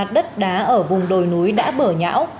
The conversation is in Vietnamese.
đất đá ở vùng đồi núi đã bở nhão